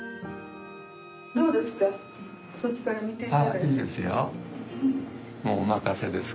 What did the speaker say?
はいいいですよ。